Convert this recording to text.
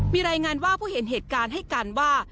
มีรายงานว่าผู้เห็นเหตุการณ์ให้การว่า